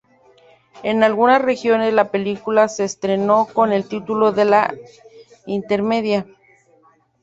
En algunas regiones, la película se estrenó con el título de "Intermedia".